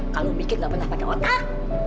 kalau bikin gak pernah pakai otak